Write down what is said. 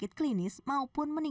kita juga bisa mengobati penyelaman